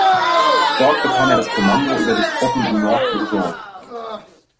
Dort bekam er das Kommando über die Truppen in Nord-Luzon.